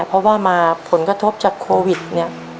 เพราะว่ามาผลกระทบจากโควิดเนี่ย